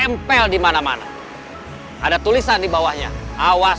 makan kupat tahu